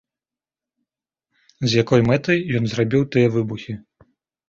З якой мэтай ён зрабіў тыя выбухі?